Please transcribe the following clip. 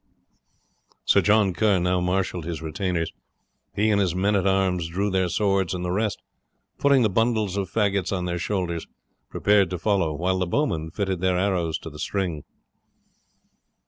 Sir John Kerr now marshalled his retainers. He and his men at arms drew their swords, and the rest, putting the bundles of faggots on their shoulders, prepared to follow, while the bowmen fitted their arrows to the string.